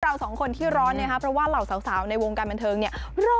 เราสองคนที่ร้อนนะครับเพราะว่าเหล่าสาวในวงการบันเทิงเนี่ย